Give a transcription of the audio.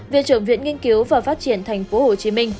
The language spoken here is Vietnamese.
viện trưởng viện nghiên cứu và phát triển tp hcm